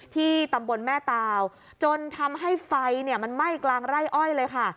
ที่ตำบลแม่ตาวจนทำให้ไฟมันไหม้กลางไร่อ้อยเลยค่ะ